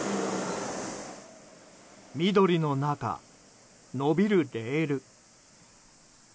緑の中、延びるレール。